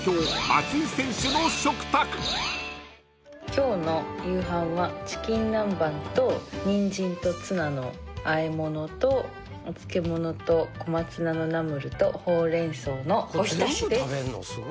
今日の夕飯はチキン南蛮とニンジンとツナのあえ物とお漬物と小松菜のナムルとホウレンソウのおひたしです。